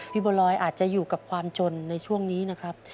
บัวลอยอาจจะอยู่กับความจนในช่วงนี้นะครับ